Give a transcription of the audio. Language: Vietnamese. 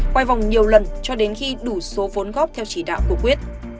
quay vòng nhiều lần cho đến khi đủ số vốn góp theo chỉ đạo của quyết